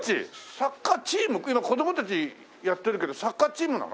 サッカーチーム今子供たちやってるけどサッカーチームなの？